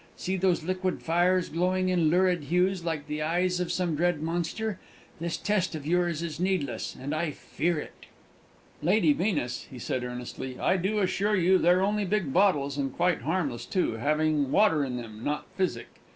See those liquid fires glowing in lurid hues, like the eyes of some dread monster! This test of yours is needless, and I fear it." "Lady Venus," he said earnestly, "I do assure you they're only big bottles, and quite harmless too, having water in them, not physic.